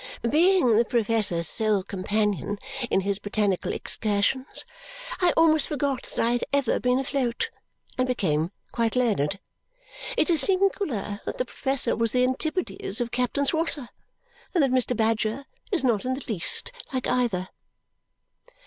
Being the professor's sole companion in his botanical excursions, I almost forgot that I had ever been afloat, and became quite learned. It is singular that the professor was the antipodes of Captain Swosser and that Mr. Badger is not in the least like either!"